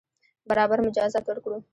برابر مجازات ورکړو.